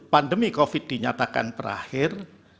pandemi covid dinyatakan berakhir